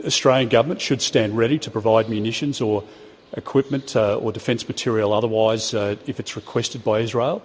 kepala kepala kepala perintah australia harus berada siap untuk memberikan munis atau peralatan pertahanan jika diperintahkan oleh israel